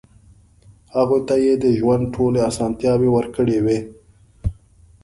هغوی ته يې د ژوند ټولې اسانتیاوې ورکړې وې.